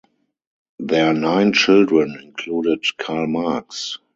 Their nine children included Karl Marx.